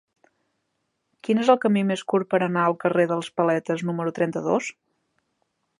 Quin és el camí més curt per anar al carrer dels Paletes número trenta-dos?